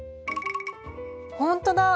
ほんとだ！